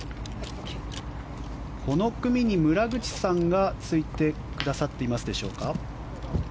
この組に村口さんがついてくださっていますでしょうか。